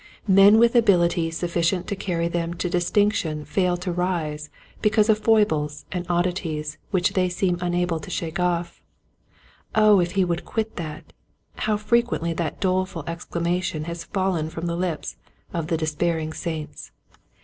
Men with ability sufficient to carry them to distinction fail to rise because of foibles and oddities which they seem unable to shake off. " O if he would only quit that !" How frequently that doleful exclamation has fallen from the lips of the despairing saints.